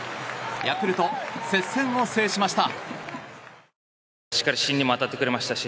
ヤクルト、接戦を制しました。